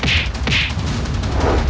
kedai yang menangis